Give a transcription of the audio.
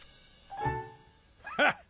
ハッ。